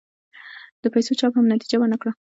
د پیسو چاپ هم نتیجه ور نه کړه.